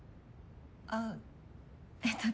あっえっと